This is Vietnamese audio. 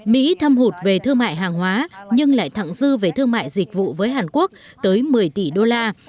mỹ thâm hụt về thương mại hàng hóa nhưng lại thẳng dư về thương mại dịch vụ với hàn quốc tới một mươi tỷ đô la